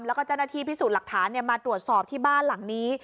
แล้วก็เจ้าหน้าที่พิสูจน์หลักฐานมาตรวจสอบที่บ้านหลังนี้